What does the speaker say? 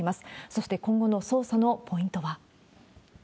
そして今後の捜査のポイントは。